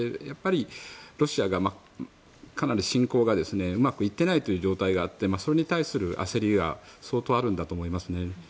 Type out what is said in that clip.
ロシアが、かなり侵攻がうまくいっていないという状態があってそれに対する焦りが相当あるんだと思いますね。